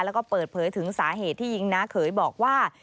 แล้วก็เปิดเผยถึงสาเหตุที่ยิงน้าเขยบอกว่า